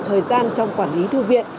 thời gian trong quản lý thư viện